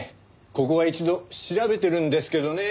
ここは一度調べてるんですけどね。